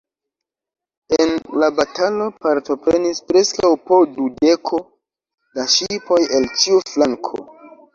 En la batalo partoprenis preskaŭ po dudeko da ŝipoj el ĉiu flanko.